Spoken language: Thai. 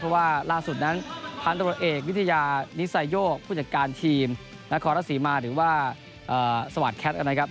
เพราะว่าล่าสุดนั้นพันตรวจเอกวิทยานิไซโยกผู้จัดการทีมนครรัฐศรีมาหรือว่าสวัสดิแคทนะครับ